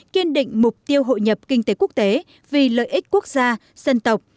kiên định mục tiêu hội nhập kinh tế quốc tế vì lợi ích quốc gia dân tộc